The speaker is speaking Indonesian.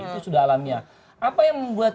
itu sudah alamiah apa yang membuat